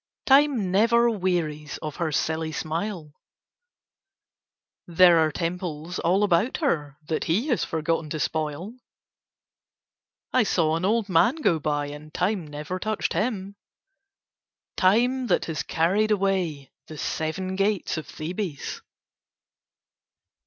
Time never wearies of her silly smile. There are temples all about her that he has forgotten to spoil. I saw an old man go by, and Time never touched him. Time that has carried away the seven gates of Thebes!